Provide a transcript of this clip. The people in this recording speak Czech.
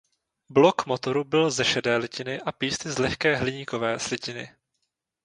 Blok motoru byl ze šedé litiny a písty z lehké hliníkové slitiny.